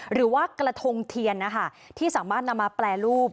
หรือว่ากระทงเทียนนะคะที่สามารถนำมาแปรรูป